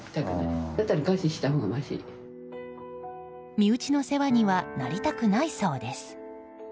身内の世話にはなりたくないそうです。